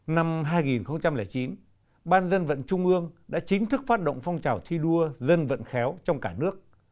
năm hai nghìn chín ban dân vận trung ương đã chính thức phát động phong trào thi đua dân vận khéo trong cả nước